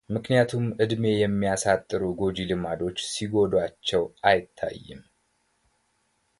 ምክንያቱም ዕድሜ የሚያሳጥሩ ጎጂ ልማዶች ሲጎዷቸው አይታይም።